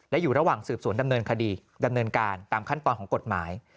และอยู่ระหว่างสืบสวนดำเนินคดีดำเนินการตามขั้นตอนของกฎหมาย